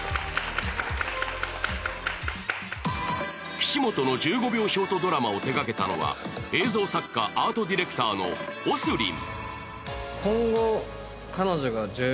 岸本の１５秒ショートドラマを手掛けたのは、映像作家、アートディレクターのＯＳＲＩＮ。